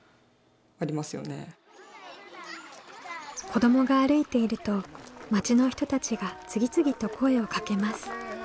子どもが歩いていると町の人たちが次々と声をかけます。